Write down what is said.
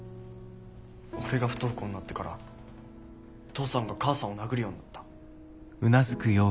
俺が不登校になってから父さんが母さんを殴るようになった。